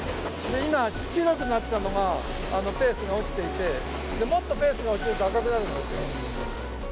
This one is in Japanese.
今、白くなったのが、ペースが落ちていて、もっとペースが落ちると赤くなるんですよ。